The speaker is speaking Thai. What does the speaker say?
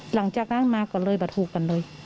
หลังจากนั้นมาก็เลยมาถูกกันเลย